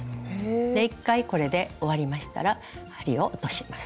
で一回これで終わりましたら針を落とします。